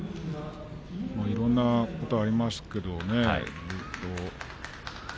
いろんなことがありますけれどもね。